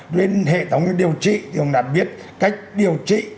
nên hệ thống điều trị cũng đã biết cách điều trị